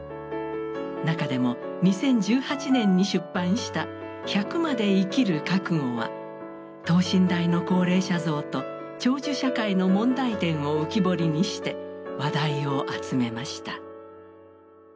中でも２０１８年に出版した「百まで生きる覚悟」は等身大の高齢者像と長寿社会の問題点を浮き彫りにして話題を集めました。